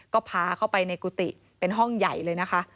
ก็พาเข้าไปในกุฏิเป็นห้องใหญ่เลยนะคะ